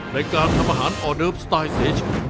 ในการทำอาหารออเดิร์ฟสไตล์เซช